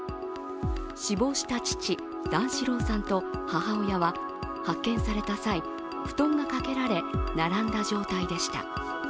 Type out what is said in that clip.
死亡した父・段四郎さんと、母親は発見された際、布団がかけられ並んだ状態でした。